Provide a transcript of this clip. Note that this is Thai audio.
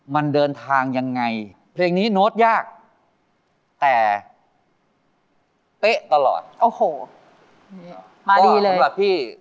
มันเดินทางยังไงเพลงนี้โน้ตยากแต่เป๊ะตลอดโอ้โหมาดีเลยสำหรับพี่